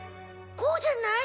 こうじゃない？